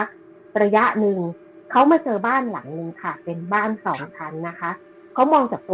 คือเรื่องนี้มันเกิดมาประสบการณ์ของรุ่นนี้มีคนที่เล่าให้พี่ฟังคือชื่อน้องปลานะคะ